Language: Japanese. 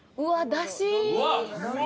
だし！